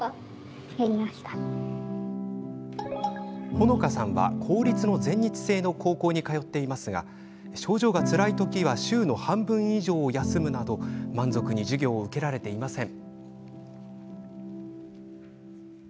ほのかさんは、公立の全日制の高校に通っていますが症状がつらい時は週の半分以上を休むなど満足に授業を受けられていません。